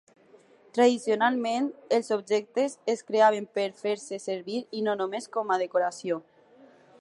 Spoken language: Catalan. Tradicionalment, els objectes es creaven per fer-se servir i no només com a decoració.